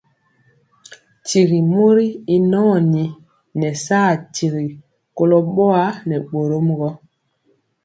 Tyigi mori y nɔni nɛ saa tiri kolo boa nɛ bórɔm gɔ.